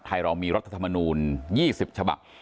ไทยเรามีรัฐธรรมนูญยี่สิบฉบัก